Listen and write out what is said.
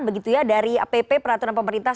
begitu ya dari pp peraturan pemerintah